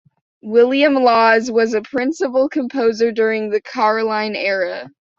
William Lawes was a principal composer during the Caroline era.